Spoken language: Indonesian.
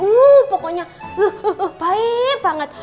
uh pokoknya baik banget